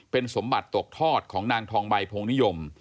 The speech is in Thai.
เป็นสมบัติตกทอดของนางทองใบพงนิยม